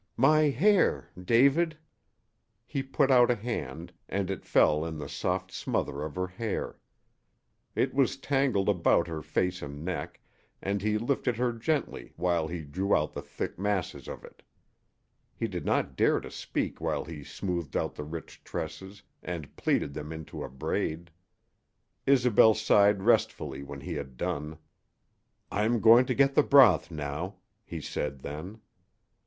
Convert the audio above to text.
"My hair David " He put out a hand, and it fell in the soft smother of her hair. It was tangled about her face and neck, and he lifted her gently while he drew out the thick masses of it. He did not dare to speak while he smoothed out the rich tresses and pleated them into a braid. Isobel sighed restfully when he had done. "I am going to get the broth now," he said then.